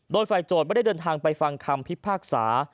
โดยฝ่ายโจทย์ไม่ได้เดินทางไปฟังคำพิพากษา